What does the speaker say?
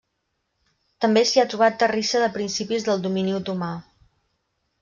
També s'hi ha trobat terrissa de principis del domini otomà.